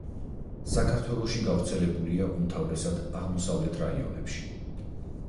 საქართველოში გავრცელებულია უმთავრესად აღმოსავლეთ რაიონებში.